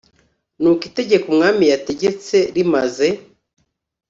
Nuko itegeko umwami yategetse rimaze